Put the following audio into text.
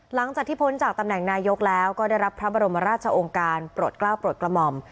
หลังจากที่พ้นจากตำแหน่งนายกแล้วก็ได้รับพระบรมราชองค์การโปรดกล้าวโปรดกระหม่อม